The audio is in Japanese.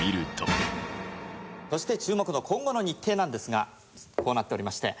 そして注目の今後の日程なんですがこうなっておりまして。